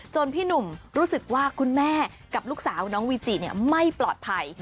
พี่หนุ่มรู้สึกว่าคุณแม่กับลูกสาวน้องวีจิไม่ปลอดภัย